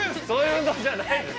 そういうのじゃない。